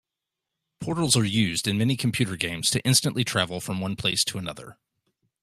Portals are used in many computer games to instantly travel from one place to another.